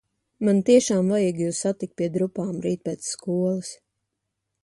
Man tiešām vajag jūs satikt pie drupām rīt pēc skolas.